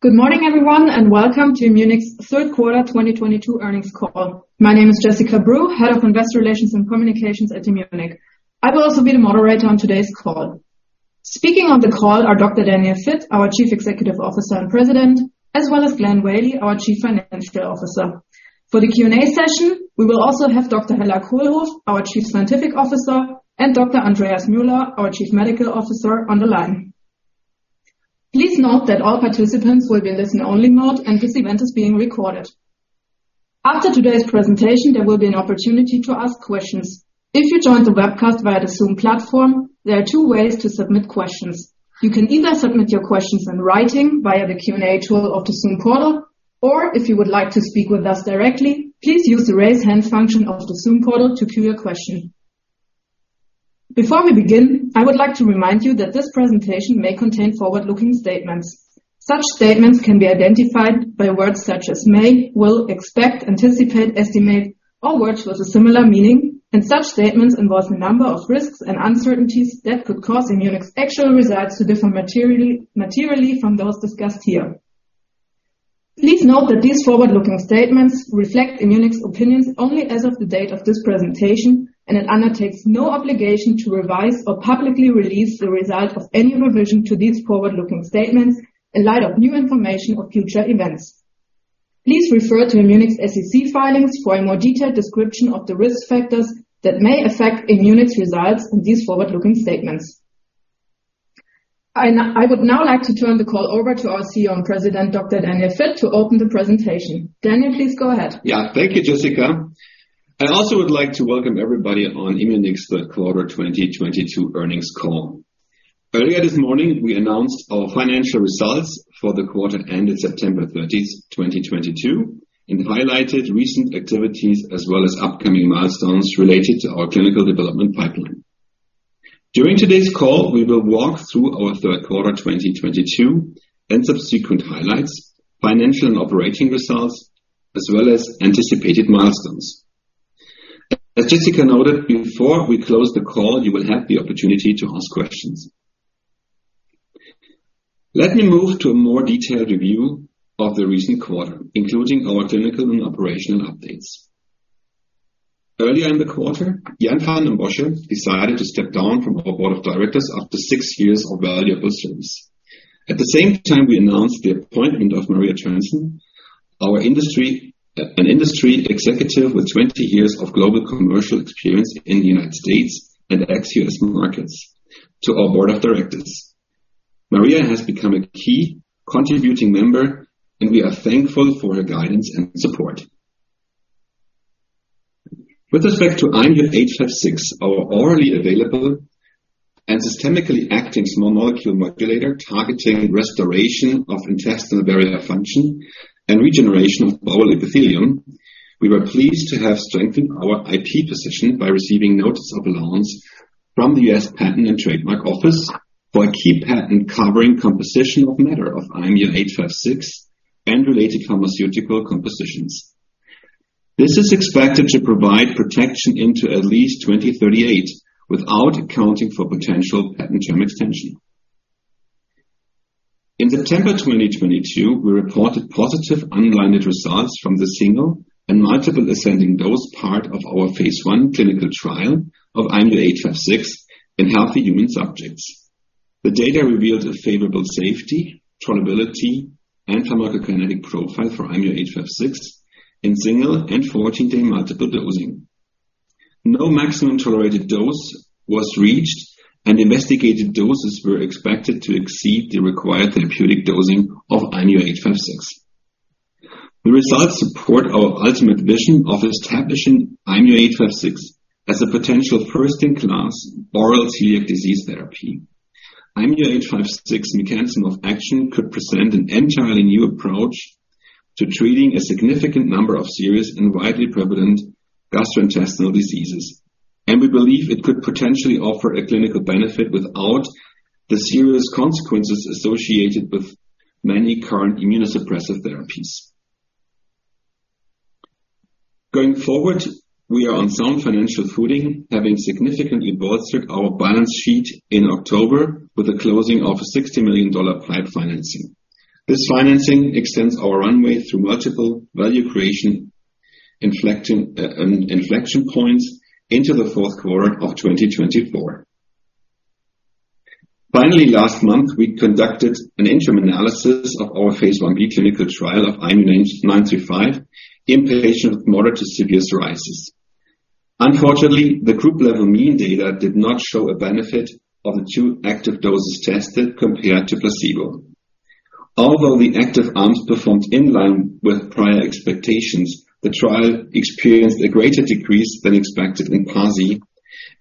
Good morning, everyone, and welcome to Immunic third quarter 2022 earnings call. My name is Jessica Breu, Head of Investor Relations and Communications at Immunic. I will also be the moderator on today's call. Speaking on the call are Dr. Daniel Vitt, our Chief Executive Officer and President, as well as Glenn Whaley, our Chief Financial Officer. For the Q&A session, we will also have Dr. Hella Kohlhof, our Chief Scientific Officer, and Dr. Andreas Muehler, our Chief Medical Officer, on the line. Please note that all participants will be in listen-only mode, and this event is being recorded. After today's presentation, there will be an opportunity to ask questions. If you joined the webcast via the Zoom platform, there are two ways to submit questions. You can either submit your questions in writing via the Q&A tool of the Zoom portal, or if you would like to speak with us directly, please use the raise hand function of the Zoom portal to queue your question. Before we begin, I would like to remind you that this presentation may contain forward-looking statements. Such statements can be identified by words such as may, will, expect, anticipate, estimate, or words with a similar meaning, and such statements involve a number of risks and uncertainties that could cause Immunic's actual results to differ materially from those discussed here. Please note that these forward-looking statements reflect Immunic's opinions only as of the date of this presentation and it undertakes no obligation to revise or publicly release the result of any revision to these forward-looking statements in light of new information or future events. Please refer to Immunic SEC filings for a more detailed description of the risk factors that may affect Immunic results in these forward-looking statements. I would now like to turn the call over to our CEO and President, Dr. Daniel Vitt, to open the presentation. Daniel, please go ahead. Yeah. Thank you, Jessica. I also would like to welcome everybody on Immunic third quarter 2022 earnings call. Earlier this morning, we announced our financial results for the quarter ending September 30th, 2022, and highlighted recent activities as well as upcoming milestones related to our clinical development pipeline. During today's call, we will walk through our third quarter 2022 and subsequent highlights, financial and operating results, as well as anticipated milestones. As Jessica noted, before we close the call, you will have the opportunity to ask questions. Let me move to a more detailed review of the recent quarter, including our clinical and operational updates. Earlier in the quarter, Jan Van den Bossche decided to step down from our board of directors after six years of valuable service. At the same time, we announced the appointment of Maria Törnsén, an industry executive with 20 years of global commercial experience in the United States and ex-U.S. markets to our board of directors. Maria has become a key contributing member, and we are thankful for her guidance and support. With respect to IMU-856, our orally available and systemically acting small molecule modulator targeting restoration of intestinal barrier function and regeneration of bowel epithelium, we were pleased to have strengthened our IP position by receiving notice of allowance from the US Patent and Trademark Office for a key patent covering composition of matter of IMU-856 and related pharmaceutical compositions. This is expected to provide protection into at least 2038 without accounting for potential patent term extension. In September 2022, we reported positive unblinded results from the single and multiple ascending dose part of our phase I clinical trial of IMU-856 in healthy human subjects. The data revealed a favorable safety, tolerability, and pharmacokinetic profile for IMU-856 in single and 14-day multiple dosing. No maximum tolerated dose was reached, and investigated doses were expected to exceed the required therapeutic dosing of IMU-856. The results support our ultimate vision of establishing IMU-856 as a potential first-in-class oral celiac disease therapy. IMU-856 mechanism of action could present an entirely new approach to treating a significant number of serious and widely prevalent gastrointestinal diseases. We believe it could potentially offer a clinical benefit without the serious consequences associated with many current immunosuppressive therapies. Going forward, we are on sound financial footing, having significantly bolstered our balance sheet in October with the closing of a $60 million PIPE financing. This financing extends our runway through multiple value creation inflection points into the fourth quarter of 2024. Finally, last month, we conducted an interim analysis of our phase I-B clinical trial of IMU-935 in patients with moderate to severe psoriasis. Unfortunately, the group level mean data did not show a benefit of the two active doses tested compared to placebo. Although the active arms performed in line with prior expectations, the trial experienced a greater decrease than expected in PASI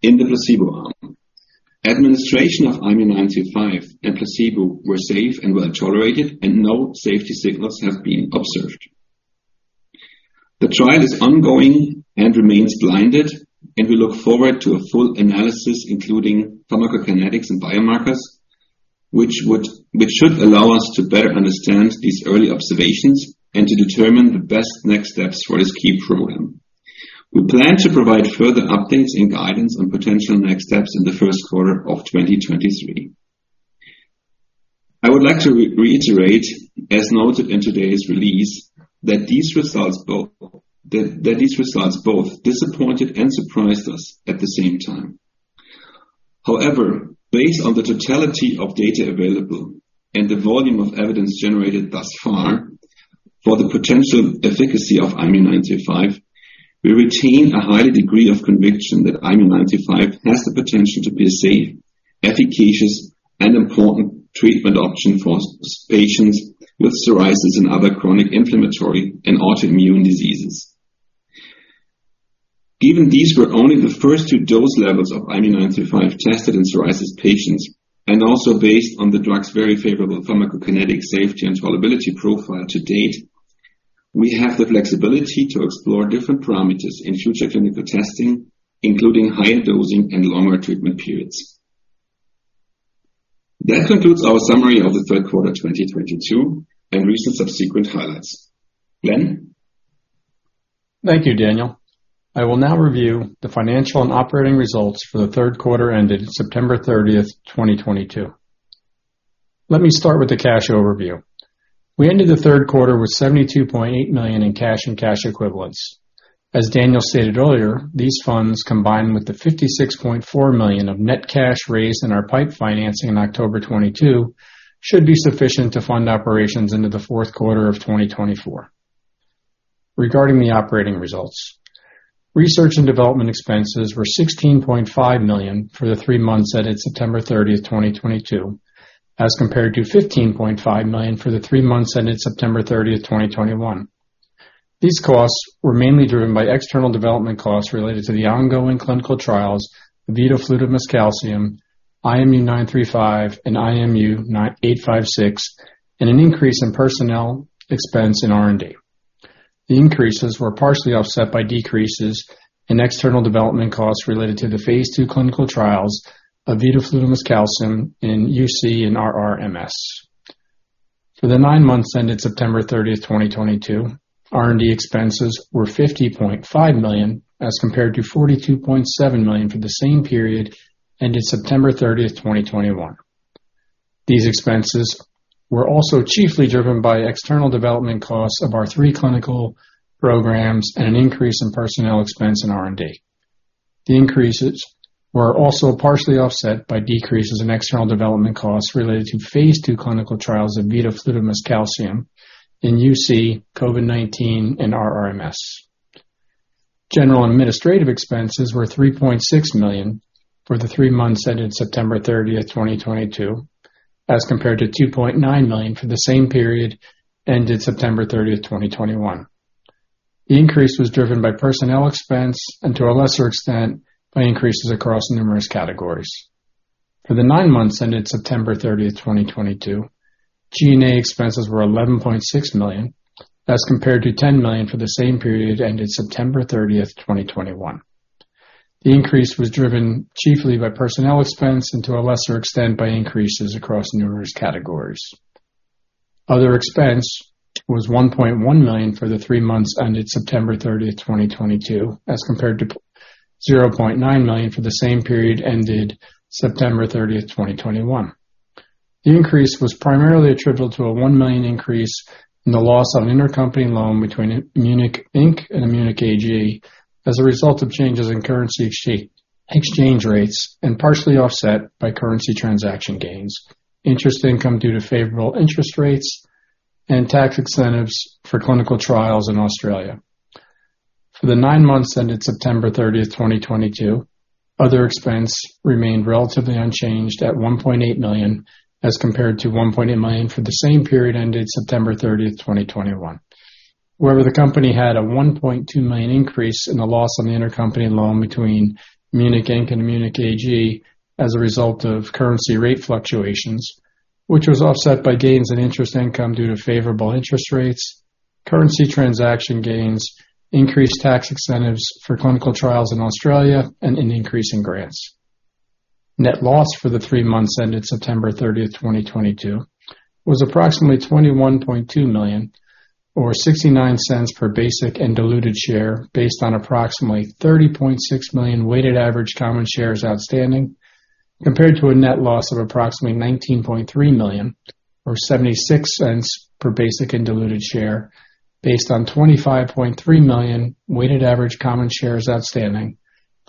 in the placebo arm. Administration of IMU-935 and placebo were safe and well tolerated, and no safety signals have been observed. The trial is ongoing and remains blinded, and we look forward to a full analysis, including pharmacokinetics and biomarkers, which should allow us to better understand these early observations and to determine the best next steps for this key program. We plan to provide further updates and guidance on potential next steps in the first quarter of 2023. I would like to reiterate, as noted in today's release, that these results both disappointed and surprised us at the same time. However, based on the totality of data available and the volume of evidence generated thus far for the potential efficacy of IMU-935, we retain a high degree of conviction that IMU-935 has the potential to be a safe, efficacious, and important treatment option for patients with psoriasis and other chronic inflammatory and autoimmune diseases. Even these were only the first two dose levels of IMU-935 tested in psoriasis patients and also based on the drug's very favorable pharmacokinetic safety and tolerability profile to date, we have the flexibility to explore different parameters in future clinical testing, including higher dosing and longer treatment periods. That concludes our summary of the third quarter of 2022 and recent subsequent highlights. Glenn. Thank you, Daniel. I will now review the financial and operating results for the third quarter ended September 30th, 2022. Let me start with the cash overview. We ended the third quarter with $72.8 million in cash and cash equivalents. As Daniel stated earlier, these funds, combined with the $56.4 million of net cash raised in our PIPE financing in October 2022, should be sufficient to fund operations into the fourth quarter of 2024. Regarding the operating results, research and development expenses were $16.5 million for the three months ended September 30th, 2022, as compared to $15.5 million for the three months ended September 30th, 2021. These costs were mainly driven by external development costs related to the ongoing clinical trials, vidofludimus calcium, IMU-935, and IMU-856, and an increase in personnel expense in R&D. The increases were partially offset by decreases in external development costs related to the phase II clinical trials of vidofludimus calcium in UC and RRMS. For the nine months ended September 30th, 2022, R&D expenses were $50.5 million, as compared to $42.7 million for the same period ended September 30th, 2021. These expenses were also chiefly driven by external development costs of our three clinical programs and an increase in personnel expense in R&D. The increases were also partially offset by decreases in external development costs related to phase II clinical trials of vidofludimus calcium in UC, COVID-19, and RRMS. General and administrative expenses were $3.6 million for the three months ended September 30th, 2022, as compared to $2.9 million for the same period ended September 30th, 2021. The increase was driven by personnel expense, and to a lesser extent, by increases across numerous categories. For the nine months ended September 30th, 2022, G&A expenses were $11.6 million, as compared to $10 million for the same period ended September 30th, 2021. The increase was driven chiefly by personnel expense and to a lesser extent by increases across numerous categories. Other expense was $1.1 million for the three months ended September 30th, 2022, as compared to $0.9 million for the same period ended September 30th, 2021. The increase was primarily attributable to a $1 million increase in the loss on intercompany loan between Immunic, Inc and Immunic AG as a result of changes in currency exchange rates and partially offset by currency transaction gains, interest income due to favorable interest rates, and tax incentives for clinical trials in Australia. For the nine months ended September 30th, 2022, other expense remained relatively unchanged at $1.8 million, as compared to $1.8 million for the same period ended September 30th, 2021. However, the company had a $1.2 million increase in the loss on the intercompany loan between Immunic, Inc and Immunic AG as a result of currency rate fluctuations, which was offset by gains in interest income due to favorable interest rates, currency transaction gains, increased tax incentives for clinical trials in Australia, and an increase in grants. Net loss for the three months ended September 30th, 2022 was approximately $21.2 million or $0.69 per basic and diluted share based on approximately 30.6 million weighted average common shares outstanding, compared to a net loss of approximately $19.3 million or $0.76 per basic and diluted share based on 25.3 million weighted average common shares outstanding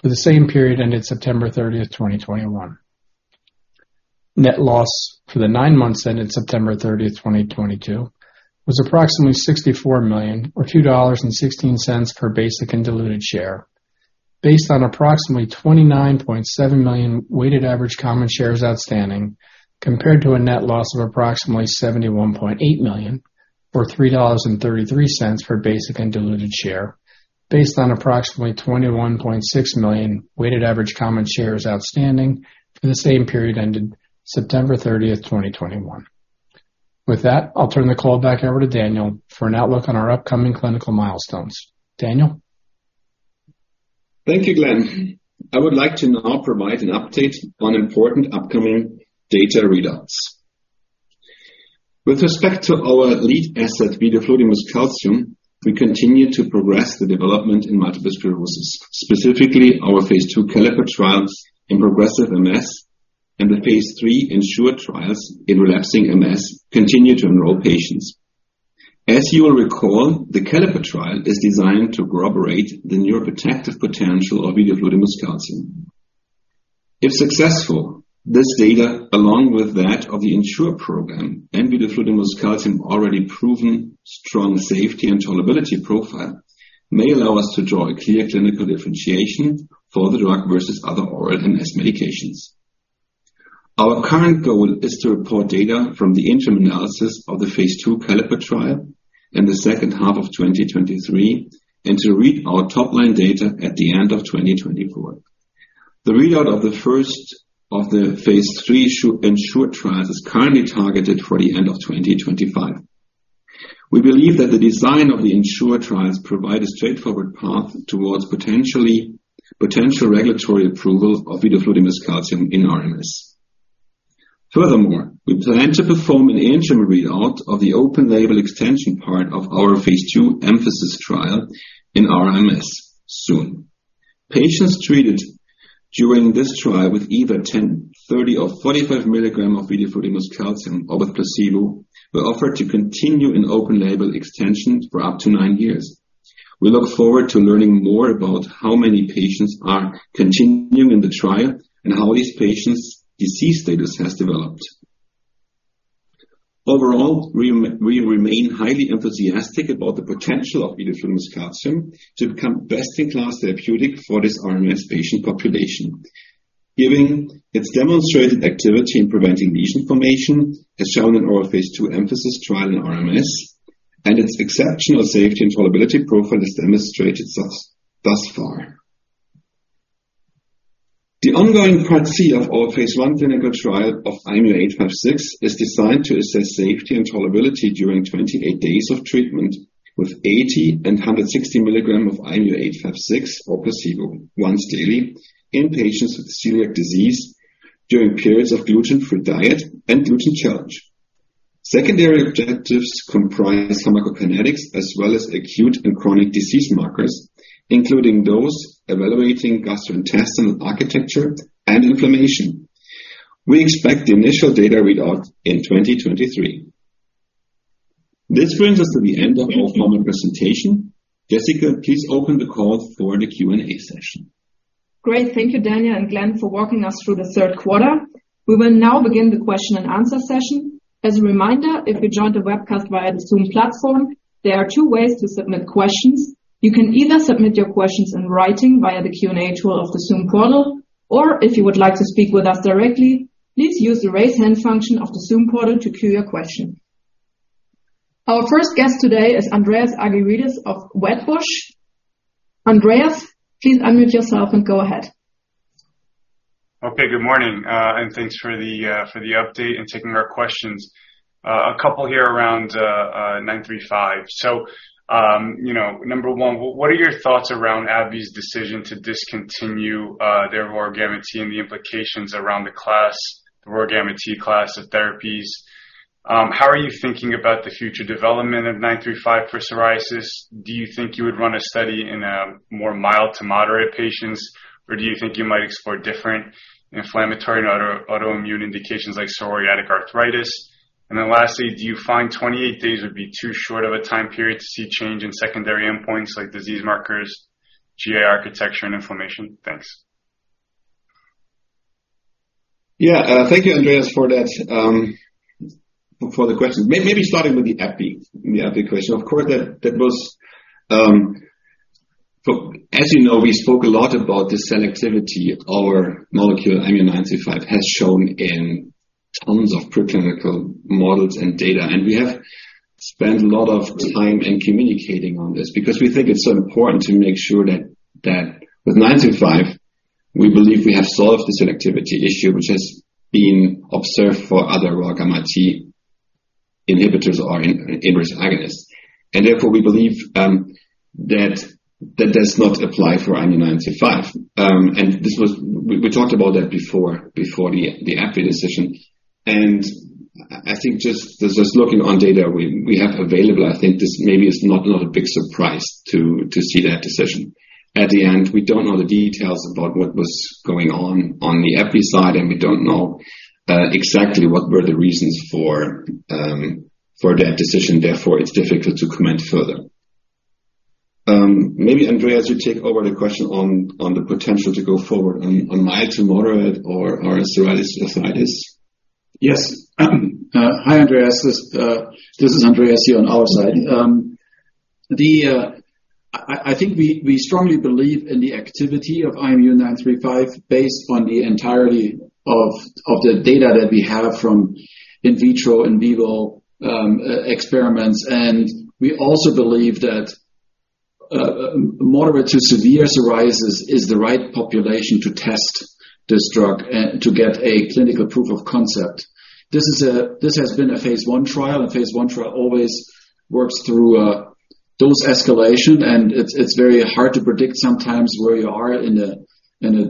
for the same period ended September 30th, 2021. Net loss for the nine months ended September 30th, 2022 was approximately $64 million or $2.16 per basic and diluted share based on approximately 29.7 million weighted average common shares outstanding, compared to a net loss of approximately $71.8 million or $3.33 per basic and diluted share based on approximately 21.6 million weighted average common shares outstanding for the same period ended September 30th, 2021. With that, I'll turn the call back over to Daniel for an outlook on our upcoming clinical milestones. Daniel? Thank you, Glenn. I would like to now provide an update on important upcoming data readouts. With respect to our lead asset, vidofludimus calcium, we continue to progress the development in multiple sclerosis, specifically our phase II CALLIPER trials in progressive MS and the phase III ENSURE trials in relapsing MS continue to enroll patients. As you will recall, the CALLIPER trial is designed to corroborate the neuroprotective potential of vidofludimus calcium. If successful, this data, along with that of the ENSURE program and vidofludimus calcium already proven strong safety and tolerability profile, may allow us to draw a clear clinical differentiation for the drug versus other oral MS medications. Our current goal is to report data from the interim analysis of the phase II CALLIPER trial in the second half of 2023, and to read our top line data at the end of 2024. The readout of the first of the phase II ENSURE trials is currently targeted for the end of 2025. We believe that the design of the ENSURE trials provide a straightforward path towards potential regulatory approval of vidofludimus calcium in RMS. Furthermore, we plan to perform an interim readout of the open label extension part of our phase II EMPHASIS trial in RMS soon. Patients treated during this trial with either 10, 30 or 45 milligrams of vidofludimus calcium or with placebo, were offered to continue in open label extensions for up to nine years. We look forward to learning more about how many patients are continuing in the trial and how these patients' disease status has developed. Overall, we remain highly enthusiastic about the potential of vidofludimus calcium to become best-in-class therapeutic for this RMS patient population, given its demonstrated activity in preventing lesion formation, as shown in our phase II EMPHASIS trial in RMS, and its exceptional safety and tolerability profile as demonstrated thus far. The ongoing Part C of our phase I clinical trial of IMU-856 is designed to assess safety and tolerability during 28 days of treatment with 80 and 160 milligrams of IMU-856 or placebo once daily in patients with celiac disease during periods of gluten-free diet and gluten challenge. Secondary objectives comprise pharmacokinetics as well as acute and chronic disease markers, including those evaluating gastrointestinal architecture and inflammation. We expect the initial data readout in 2023. This brings us to the end of our formal presentation. Jessica, please open the call for the Q&A session. Great. Thank you, Daniel and Glenn, for walking us through the third quarter. We will now begin the question and answer session. As a reminder, if you joined the webcast via the Zoom platform, there are two ways to submit questions. You can either submit your questions in writing via the Q&A tool of the Zoom portal, or if you would like to speak with us directly, please use the raise hand function of the Zoom portal to queue your question. Our first guest today is Andreas Argyrides of Wedbush. Andreas, please unmute yourself and go ahead. Okay, good morning, thanks for the update and taking our questions. A couple here around 935. You know, number one, what are your thoughts around AbbVie's decision to discontinue their ROR gamma T and the implications around the class, the ROR gamma T class of therapies? How are you thinking about the future development of 935 for psoriasis? Do you think you would run a study in a more mild to moderate patients, or do you think you might explore different inflammatory and autoimmune indications like psoriatic arthritis? And then lastly, do you find 28 days would be too short of a time period to see change in secondary endpoints like disease markers, GI architecture, and inflammation? Thanks. Yeah. Thank you, Andreas, for that, for the question. Maybe starting with the AbbVie question. Of course, that was. As you know, we spoke a lot about the selectivity our molecule IMU-935 has shown in tons of preclinical models and data. We have spent a lot of time communicating on this because we think it's so important to make sure that with 935, we believe we have solved the cytotoxicity issue which has been observed for other ROR gamma T inhibitors or inverse agonists. Therefore, we believe that that does not apply for IMU-935. This was. We talked about that before the AbbVie decision. I think just looking on data we have available, I think this maybe is not a big surprise to see that decision. At the end, we don't know the details about what was going on on the AbbVie side, and we don't know exactly what were the reasons for that decision, therefore it's difficult to comment further. Maybe Andreas, you take over the question on the potential to go forward on mild to moderate or psoriatic arthritis. Yes. Hi, Andreas. This is Andreas here on our side. I think we strongly believe in the activity of IMU-935 based on the entirety of the data that we have from in vitro, in vivo experiments. We also believe that moderate to severe psoriasis is the right population to test this drug and to get a clinical proof of concept. This has been a phase I trial, and phase I trial always works through dose escalation, and it's very hard to predict sometimes where you are in a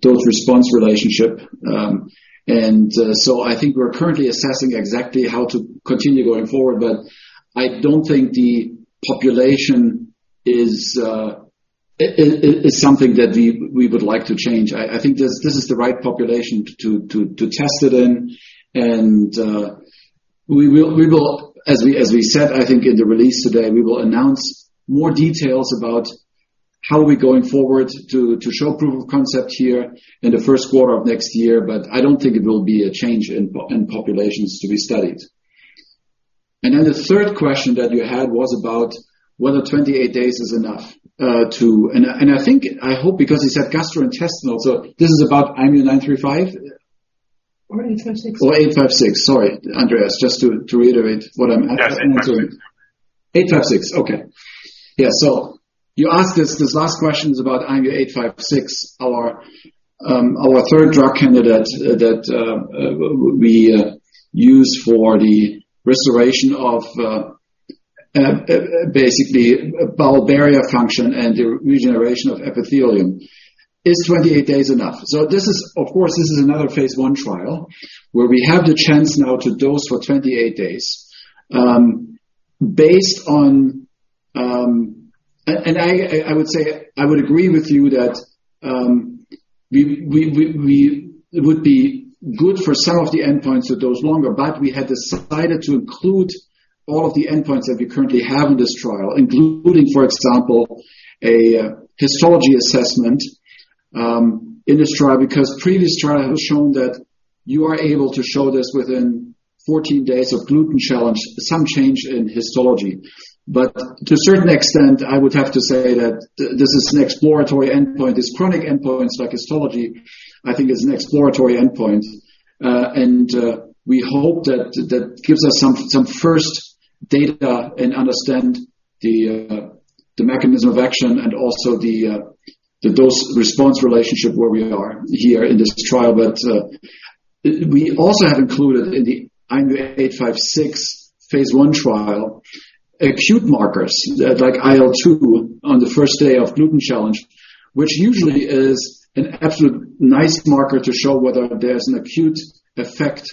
dose response relationship. So I think we're currently assessing exactly how to continue going forward, but I don't think the population is something that we would like to change. I think this is the right population to test it in. As we said, I think in the release today, we will announce more details about how we're going forward to show proof of concept here in the first quarter of next year, but I don't think it will be a change in populations to be studied. Then the third question that you had was about whether 28 days is enough. I think I hope because you said gastrointestinal, so this is about IMU-935? IMU-856. IMU-856. Sorry, Andreas, just to reiterate what I'm answering. 856. Okay. Yeah. You asked these last questions about IMU-856, our third drug candidate that we use for the restoration of basically bowel barrier function and the regeneration of epithelium. Is 28 days enough? This is another phase I trial where we have the chance now to dose for 28 days. Based on. I would say I would agree with you. It would be good for some of the endpoints to dose longer, but we had decided to include all of the endpoints that we currently have in this trial, including, for example, a histology assessment in this trial, because previous trial has shown that you are able to show this within 14 days of gluten challenge, some change in histology. To a certain extent, I would have to say that this is an exploratory endpoint. These chronic endpoints like histology, I think is an exploratory endpoint. We hope that that gives us some first data and understand the mechanism of action and also the dose response relationship where we are here in this trial. We also have included in the IMU-856 phase I trial acute markers like IL-2 on the first day of gluten challenge, which usually is an absolutely nice marker to show whether there's an acute effect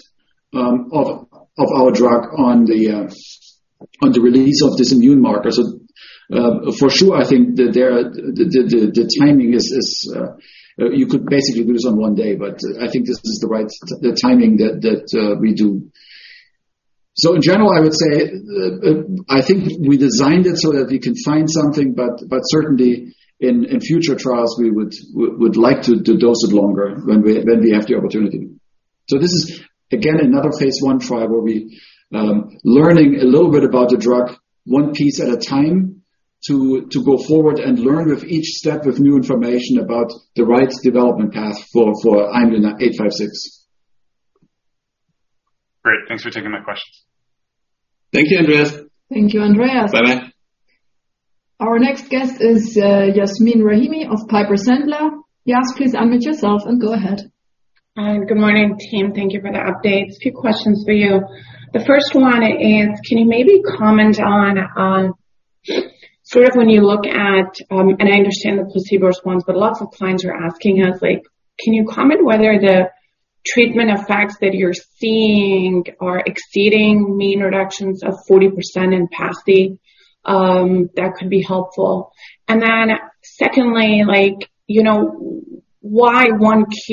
of our drug on the release of this immune marker. For sure, I think that the timing is you could basically do this on one day, but I think this is the right timing that we do. In general, I would say I think we designed it so that we can find something, but certainly in future trials we would like to dose it longer when we have the opportunity. This is again another phase I trial where we learning a little bit about the drug, one piece at a time to go forward and learn with each step with new information about the right development path for IMU-856. Great. Thanks for taking my questions. Thank you, Andreas. Thank you, Andreas. Bye. Our next guest is Yasmeen Rahimi of Piper Sandler. Yas, please unmute yourself and go ahead. Hi. Good morning, team. Thank you for the updates. A few questions for you. The first one is, can you maybe comment on on sort of when you look at and I understand the placebo response, but lots of clients are asking us, like, can you comment whether the treatment effects that you're seeing are exceeding mean reductions of 40% in PASI? That could be helpful. Secondly, like, you know, why 1Q?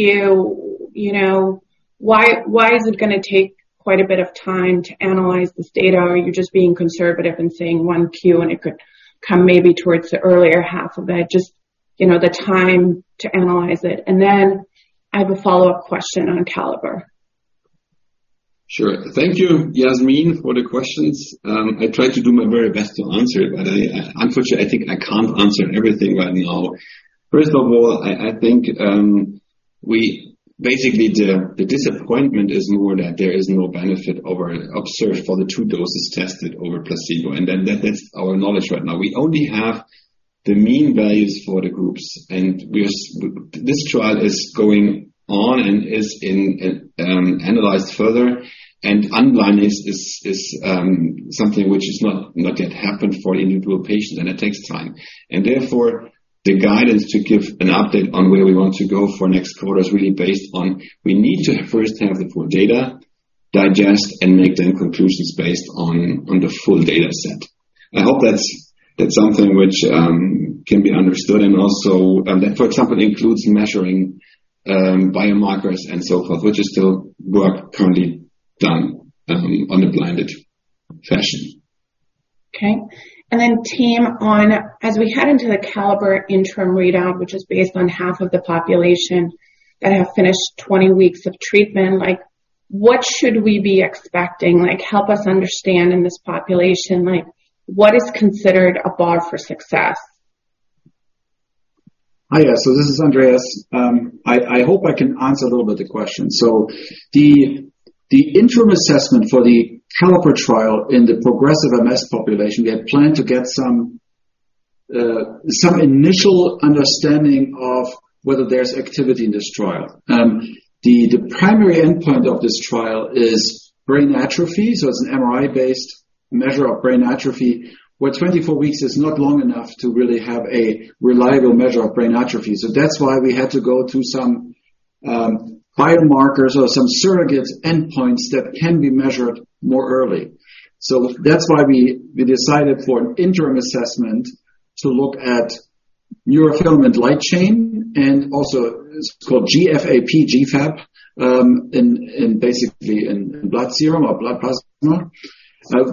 You know, why is it gonna take quite a bit of time to analyze this data? Are you just being conservative and saying 1Q and it could come maybe towards the earlier half of that? Just, you know, the time to analyze it. I have a follow-up question on CALLIPER. Sure. Thank you, Yasmeen, for the questions. I tried to do my very best to answer it, but unfortunately, I think I can't answer everything right now. First of all, I think we basically, the disappointment is more that there is no benefit observed for the two doses tested over placebo, and that is our knowledge right now. We only have the mean values for the groups, and this trial is going on and is analyzed further. Unblinding is something which has not yet happened for individual patients, and it takes time. Therefore, the guidance to give an update on where we want to go for next quarter is really based on we need to first have the full data, digest, and make then conclusions based on the full data set. I hope that's something which can be understood and also that, for example, includes measuring biomarkers and so forth, which is still work currently done on a blinded fashion. Okay. Team on as we head into the CALLIPER interim readout, which is based on half of the population that have finished 20 weeks of treatment, like, what should we be expecting? Like, help us understand in this population, like, what is considered a bar for success? Hi. Yeah, this is Andreas. I hope I can answer a little bit the question. The interim assessment for the CALLIPER trial in the progressive MS population, we had planned to get some Some initial understanding of whether there's activity in this trial. The primary endpoint of this trial is brain atrophy, so it's an MRI-based measure of brain atrophy, where 24 weeks is not long enough to really have a reliable measure of brain atrophy. That's why we had to go to some biomarkers or some surrogate endpoints that can be measured more early. That's why we decided for an interim assessment to look at neurofilament light chain and also what's called GFAP in blood serum or blood plasma.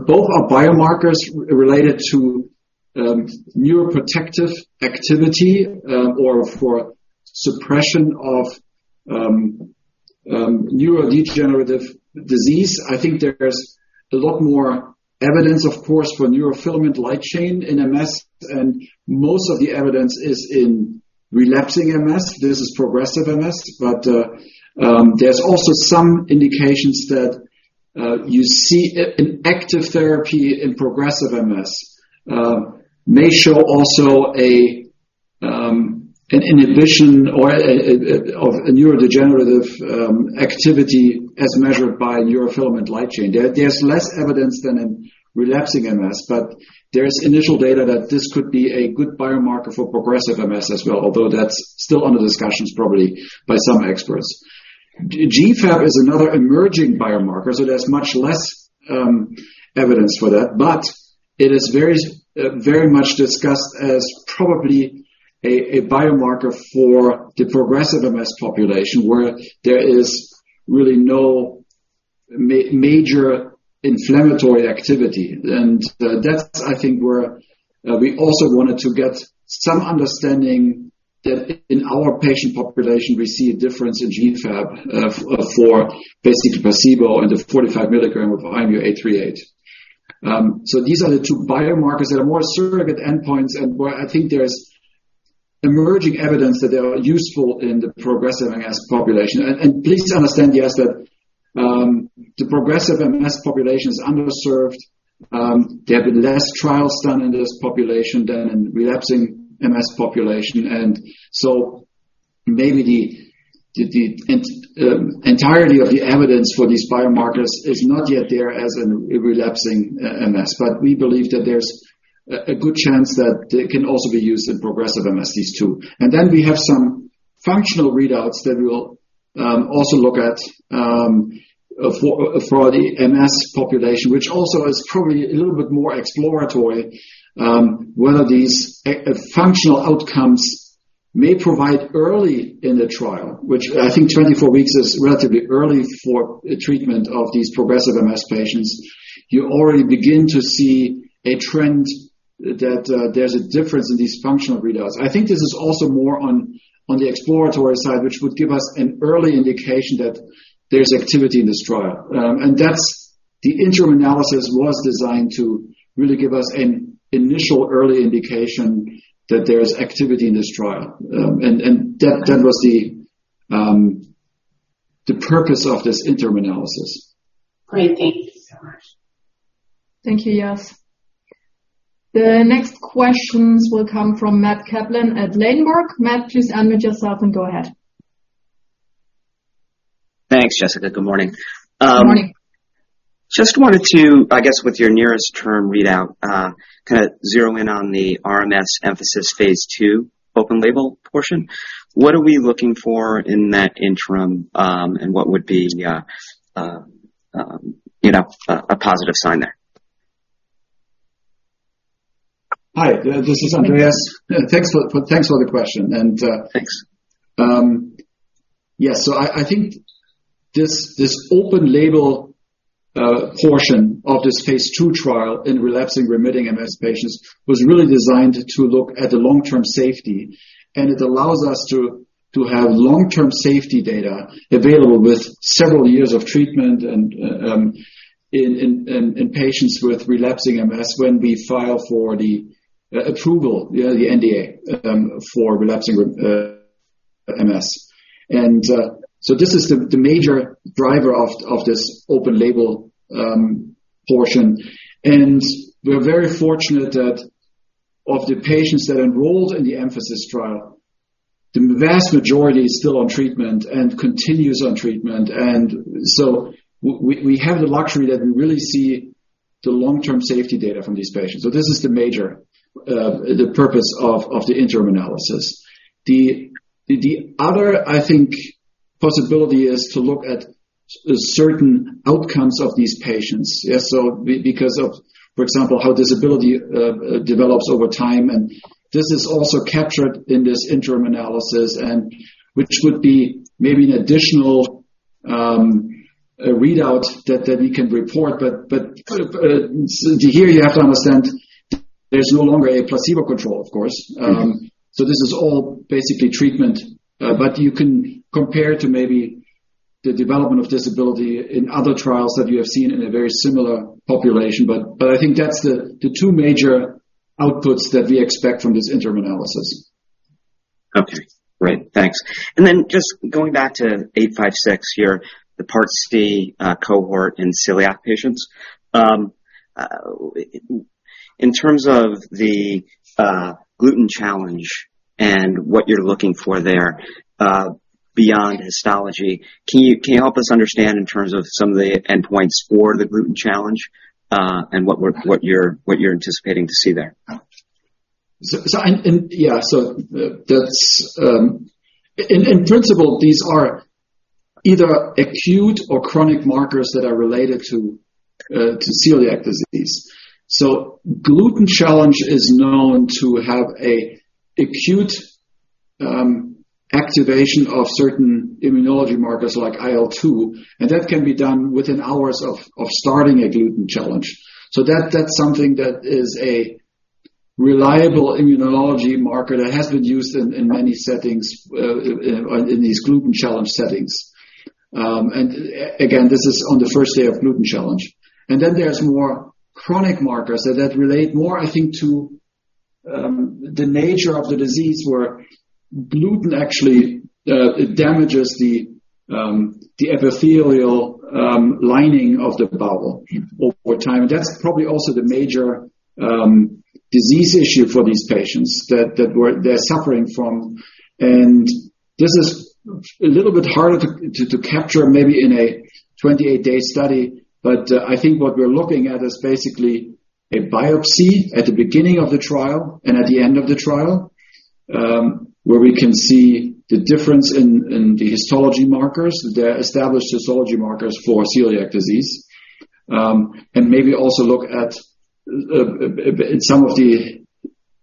Both are biomarkers related to neuroprotective activity or for suppression of neurodegenerative disease. I think there is a lot more evidence, of course, for neurofilament light chain in MS, and most of the evidence is in relapsing MS. This is progressive MS, but there's also some indications that you see in active therapy in progressive MS may show also an inhibition or of a neurodegenerative activity as measured by neurofilament light chain. There's less evidence than in relapsing MS, but there is initial data that this could be a good biomarker for progressive MS as well, although that's still under discussions probably by some experts. GFAP is another emerging biomarker, so there's much less evidence for that, but it is very, very much discussed as probably a biomarker for the progressive MS population, where there is really no major inflammatory activity. That's I think where we also wanted to get some understanding that in our patient population we see a difference in GFAP for basically placebo and the 45 milligram of IMU-838. These are the two biomarkers that are more surrogate endpoints and where I think there's emerging evidence that they are useful in the progressive MS population. Please understand, yes, that the progressive MS population is underserved. There have been less trials done in this population than in relapsing MS population. Maybe the entirety of the evidence for these biomarkers is not yet there as in relapsing MS, but we believe that there's a good chance that they can also be used in progressive MS, these two. Then we have some functional readouts that we will also look at for the MS population, which also is probably a little bit more exploratory. One of these functional outcomes may provide early in the trial, which I think 24 weeks is relatively early for a treatment of these progressive MS patients. You already begin to see a trend that there's a difference in these functional readouts. I think this is also more on the exploratory side, which would give us an early indication that there's activity in this trial. That's the interim analysis was designed to really give us an initial early indication that there's activity in this trial. That was the purpose of this interim analysis. Great. Thank you so much. Thank you, Yas. The next questions will come from Matt Kaplan at Ladenburg. Matt, please unmute yourself and go ahead. Thanks, Jessica. Good morning. Good morning. Just wanted to, I guess, with your nearest term readout, kind of zero in on the RMS EMPHASIS phase II open label portion. What are we looking for in that interim, and what would be a positive sign there? Hi, this is Andreas. Thanks for the question. Thanks. Yes. I think this open label portion of this phase II trial in relapsing-remitting MS patients was really designed to look at the long-term safety, and it allows us to have long-term safety data available with several years of treatment and in patients with relapsing MS when we file for the approval, the NDA for relapsing MS. This is the major driver of this open label portion. We're very fortunate that of the patients that enrolled in the EMPHASIS trial, the vast majority is still on treatment and continues on treatment. We have the luxury that we really see the long-term safety data from these patients. This is the major purpose of the interim analysis. The other, I think, possibility is to look at certain outcomes of these patients. Because of, for example, how disability develops over time, and this is also captured in this interim analysis, which would be maybe an additional readout that we can report. There you have to understand there's no longer a placebo control, of course. This is all basically treatment, but you can compare to maybe the development of disability in other trials that you have seen in a very similar population. I think that's the two major outputs that we expect from this interim analysis. Okay, great. Thanks. Just going back to IMU-856 here, the Part C cohort in celiac patients. In terms of the gluten challenge and what you're looking for there, beyond histology, can you help us understand in terms of some of the endpoints for the gluten challenge, and what you're anticipating to see there? That's, in principle, these are either acute or chronic markers that are related to celiac disease. Gluten challenge is known to have an acute activation of certain immunology markers like IL-2, and that can be done within hours of starting a gluten challenge. That's something that is a reliable immunology marker that has been used in many settings in these gluten challenge settings. And again, this is on the first day of gluten challenge. Then there's more chronic markers that relate more, I think, to the nature of the disease where gluten actually damages the epithelial lining of the bowel over time. That's probably also the major disease issue for these patients that they're suffering from. This is a little bit harder to capture maybe in a 28-day study. I think what we're looking at is basically a biopsy at the beginning of the trial and at the end of the trial, where we can see the difference in the histology markers, the established histology markers for celiac disease. Maybe also look at some of the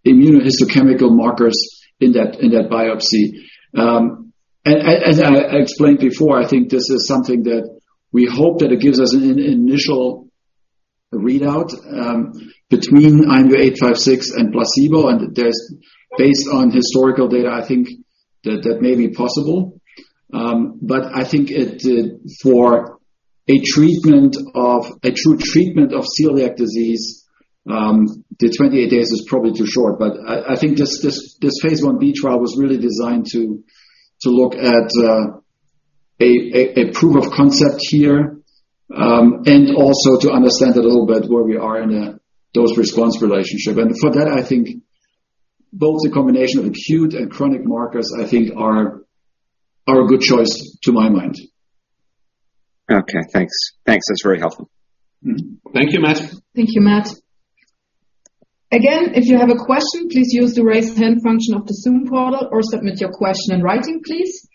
immuno-histochemical markers in that biopsy. As I explained before, I think this is something that we hope that it gives us an initial readout between IMU-856 and placebo. Based on historical data, I think that may be possible. I think it, for a treatment of a true treatment of celiac disease, the 28 days is probably too short. I think this phase I-B trial was really designed to look at a proof of concept here, and also to understand a little bit where we are in a dose-response relationship. For that, I think both the combination of acute and chronic markers I think are a good choice to my mind. Okay, thanks. Thanks. That's very helpful. Thank you, Matt. Thank you, Matt. Again, if you have a question, please use the raise hand function of the Zoom portal or submit your question in writing, please.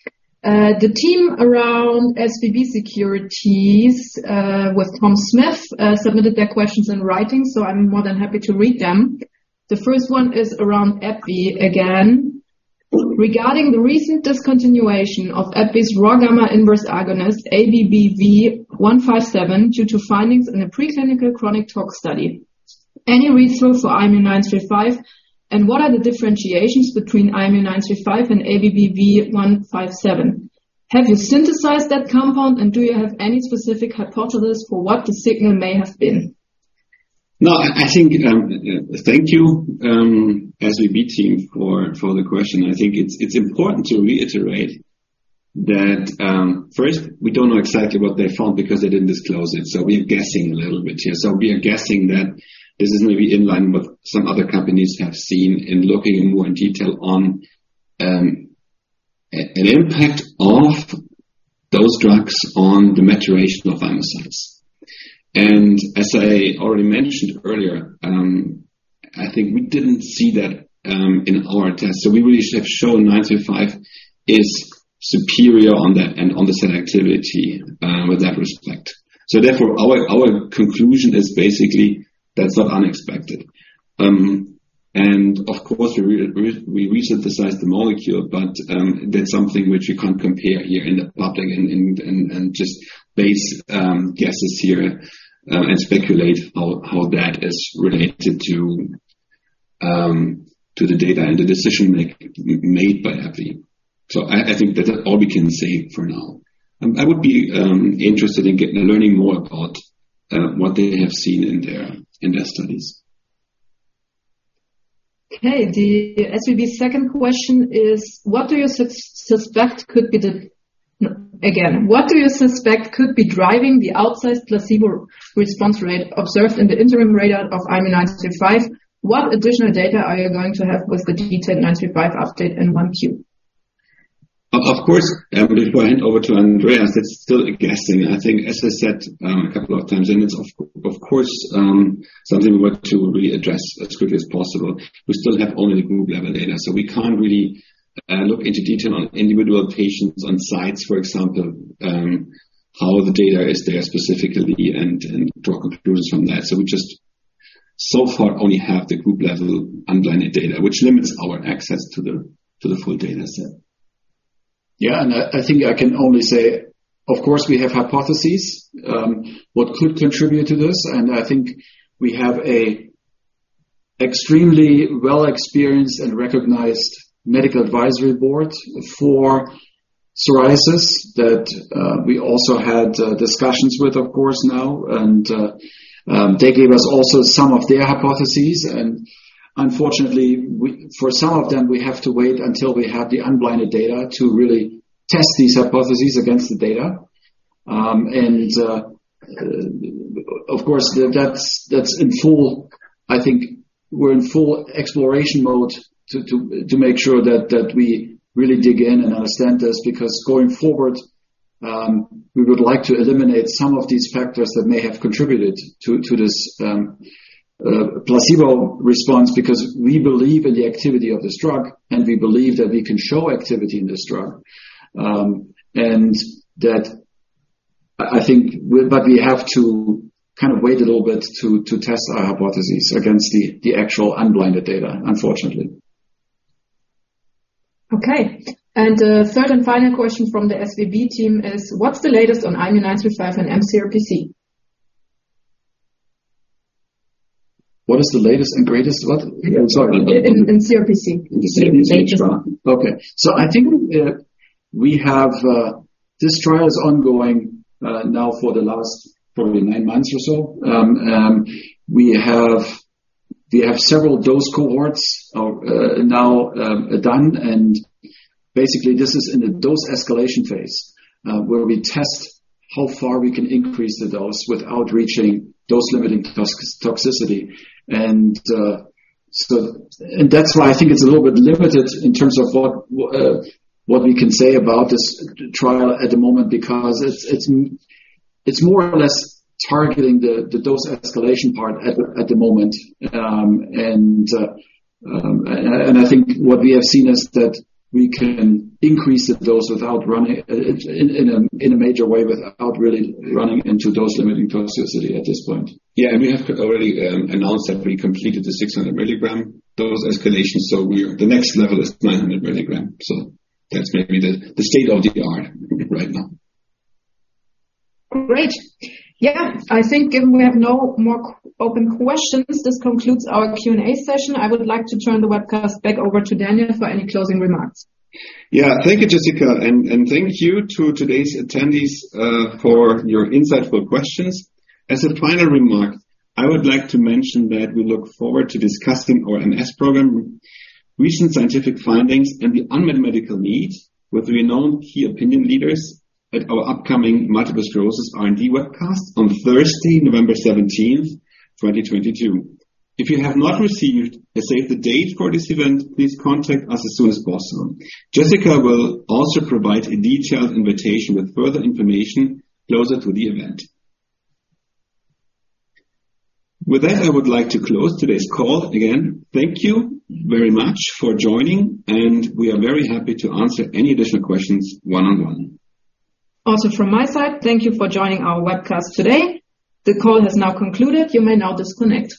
The team around SVB Securities with Tom Smith submitted their questions in writing, so I'm more than happy to read them. The first one is around AbbVie again. Regarding the recent discontinuation of AbbVie's ROR gamma inverse agonist, ABBV-157, due to findings in a preclinical chronic tox study. Any read-through for IMU-935, and what are the differentiations between IMU-935 and ABBV-157? Have you synthesized that compound, and do you have any specific hypothesis for what the signal may have been? No, I think thank you, SVB team for the question. I think it's important to reiterate that first, we don't know exactly what they found because they didn't disclose it, so we're guessing a little bit here. We are guessing that this is maybe in line with some other companies have seen in looking more in detail on an impact of those drugs on the maturation of immunocytes. As I already mentioned earlier, I think we didn't see that in our tests. We really should have shown IMU-935 is superior on that and on the cell activity with that respect. Therefore, our conclusion is basically that's not unexpected. Of course, we resynthesized the molecule, but that's something which you can't compare here in the public and just based guesses here and speculate how that is related to the data and the decision made by AbbVie. I think that's all we can say for now. I would be interested in learning more about what they have seen in their studies. Okay. The SVB second question is, what do you suspect could be driving the outsized placebo response rate observed in the interim readout of IMU-935? What additional data are you going to have with the detailed 935 update in 1Q? Of course. Before I hand over to Andreas, it's still a guessing. I think, as I said, a couple of times, and it's of course, something we want to really address as quickly as possible. We still have only group level data, so we can't really look into detail on individual patients on sites, for example, how the data is there specifically and draw conclusions from that. We just so far only have the group level unblinded data, which limits our access to the full data set. Yeah. I think I can only say, of course, we have hypotheses, what could contribute to this. I think we have an extremely well experienced and recognized medical advisory board for Psoriasis that we also had discussions with, of course, now. They gave us also some of their hypotheses, and unfortunately, for some of them, we have to wait until we have the unblinded data to really test these hypotheses against the data. Of course that's in full exploration mode to make sure that we really dig in and understand this because going forward we would like to eliminate some of these factors that may have contributed to this placebo response because we believe in the activity of this drug, and we believe that we can show activity in this drug. That I think we're. We have to kind of wait a little bit to test our hypothesis against the actual unblinded data, unfortunately. Okay. The third and final question from the SVB team is what's the latest on IMU-935 and mCRPC? What is the latest and greatest what? I'm sorry. In mCRPC. Okay. I think we have this trial is ongoing now for the last probably nine months or so. We have several dose cohorts now done and basically this is in a dose escalation phase where we test how far we can increase the dose without reaching dose-limiting toxicity. That's why I think it's a little bit limited in terms of what we can say about this trial at the moment because it's more or less targeting the dose escalation part at the moment. I think what we have seen is that we can increase the dose without really running into dose-limiting toxicity at this point. Yeah. We have already announced that we completed the 600 milligram dose escalation, so we are at the next level is 900 milligram. That's maybe the state of the art right now. Great. Yeah. I think given we have no more open questions, this concludes our Q&A session. I would like to turn the webcast back over to Daniel for any closing remarks. Yeah. Thank you, Jessica, and thank you to today's attendees for your insightful questions. As a final remark, I would like to mention that we look forward to discussing our MS program recent scientific findings and the unmet medical needs with renowned key opinion leaders at our upcoming Multiple Sclerosis R&D Webcast on Thursday, November 17th, 2022. If you have not received a save the date for this event, please contact us as soon as possible. Jessica will also provide a detailed invitation with further information closer to the event. With that, I would like to close today's call. Again, thank you very much for joining, and we are very happy to answer any additional questions one-on-one. Also from my side, thank you for joining our webcast today. The call has now concluded. You may now disconnect.